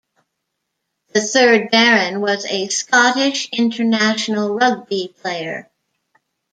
The third Baron was a Scottish international rugby player.